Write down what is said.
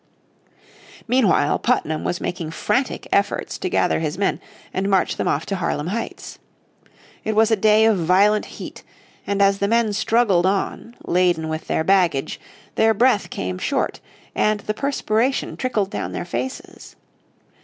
Meanwhile Putnam was making frantic efforts to gather his men and march them off to Harlem Heights. It was a day of violent heat, and as the men struggled on, laden with their baggage, their breath came short, and the perspiration trickled down their faces.